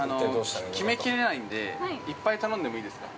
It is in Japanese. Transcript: ◆決めきれないんで、いっぱい頼んでもいいですか。